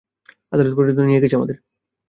আদালত পর্যন্ত নিয়ে গেছে আমাদের।